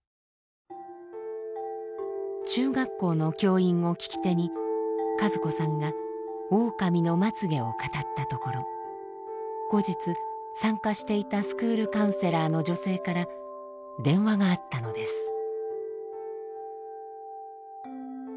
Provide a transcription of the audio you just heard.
中学校の教員をきき手に和子さんが「オオカミのまつ毛」を語ったところ後日参加していたスクールカウンセラーの女性から電話があったのです。